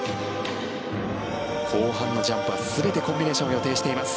後半のジャンプは全てコンビネーションを予定しています。